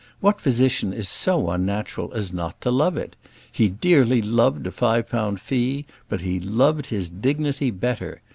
What physician is so unnatural as not to love it? He dearly loved a five pound fee; but he loved his dignity better.